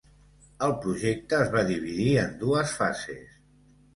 El projecte es va dividir en dues fases.